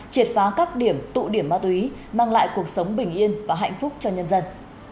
triệt phá các điểm tụ điểm ma túy mang lại cuộc sống bình yên và hạnh phúc cho nhân dân